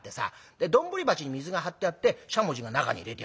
で丼鉢に水が張ってあってしゃもじが中に入れてあるんだ。